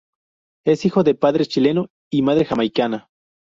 Es hijo de padre chileno y madre jamaicana.